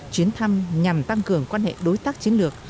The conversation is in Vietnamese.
chuyến thăm nhằm tăng cường quan hệ đối tác chiến lược